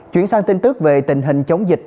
chuyển sang tin tức về tình hình chống dịch